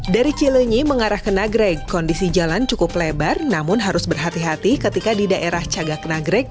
dari cilenyi mengarah ke nagrek kondisi jalan cukup lebar namun harus berhati hati ketika di daerah cagak nagrek